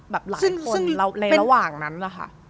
หลายคนในระหว่างนั้นนะคะ